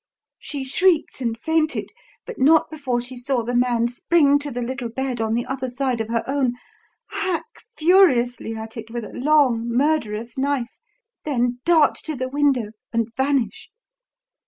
She shrieked and fainted, but not before she saw the man spring to the little bed on the other side of her own, hack furiously at it with a long, murderous knife, then dart to the window and vanish.